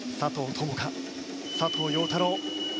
友花・佐藤陽太郎。